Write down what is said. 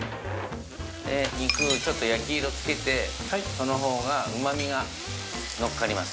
肉ちょっと焼き色付けてその方が旨みがのっかります